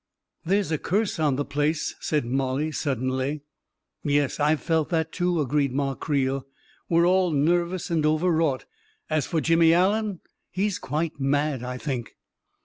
" There's a curse on the place !" said Mollie, sud denly. 41 Yes, — I've felt that, too," agreed Ma Creel. "We're all nervous and overwrought. As for Jimmy Allen, he's quite mad, I think!